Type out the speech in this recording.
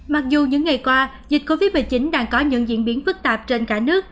mặc dù những ngày qua dịch covid một mươi chín đang có những diễn biến phức tạp trên cả nước